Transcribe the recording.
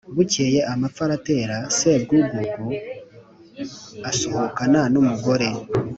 Bukeye amapfa aratera, Sebwugugu asuhukana n' umugore